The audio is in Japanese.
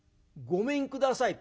ごめんください」。